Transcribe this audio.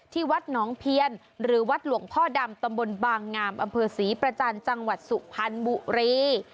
วัดหนองเพียนหรือวัดหลวงพ่อดำตำบลบางงามอำเภอศรีประจันทร์จังหวัดสุพรรณบุรี